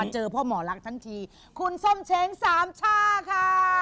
เจอพ่อหมอลักษณ์ทั้งทีคุณส้มเช้งสามช่าค่ะ